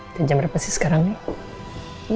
itu jam berapa sih sekarang nih